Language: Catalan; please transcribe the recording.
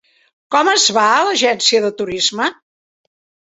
Com es va a l'agència de turisme?